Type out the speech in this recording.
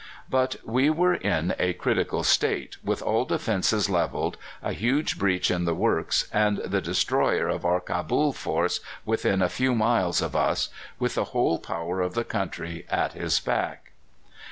But we were in a critical state, with all defences levelled, a huge breach in the works, and the destroyer of our Cabul force within a few miles of us, with the whole power of the country at his back.